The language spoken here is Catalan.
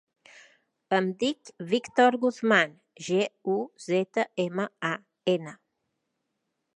Em dic Víctor Guzman: ge, u, zeta, ema, a, ena.